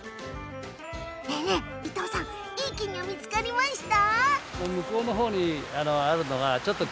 伊藤さんいい金魚見つかりました？